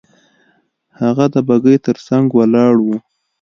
هغه د بګۍ تر څنګ ولاړ وو.